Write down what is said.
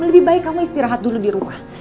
lebih baik kamu istirahat dulu di rumah